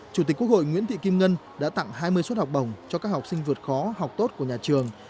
chủ tịch quốc hội nguyễn thị kim ngân đã tặng hai mươi suất học bổng cho các học sinh vượt khó học tốt của nhà trường